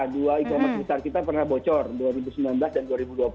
dua e commerce besar kita pernah bocor dua ribu sembilan belas dan dua ribu dua puluh